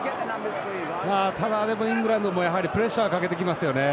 ただ、でもイングランドもやはりプレッシャーはかけてきますよね。